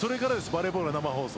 バレーボールの生放送。